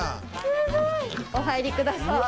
お入りください。